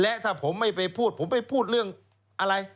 และถ้าผมไม่ไปพูดผมไปพูดเรื่องอะไร